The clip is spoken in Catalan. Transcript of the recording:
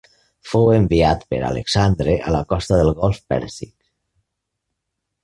Fou enviat per Alexandre a la costa del Golf Pèrsic.